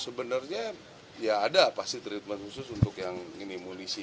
sebenarnya ya ada pasti treatment khusus untuk yang minimuli sih